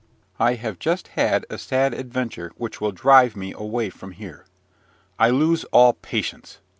I have just had a sad adventure, which will drive me away from here. I lose all patience!